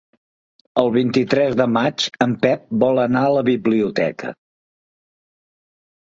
El vint-i-tres de maig en Pep vol anar a la biblioteca.